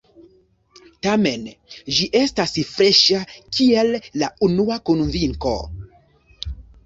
Tamen ĝi estas freŝa kiel la unua konvinko.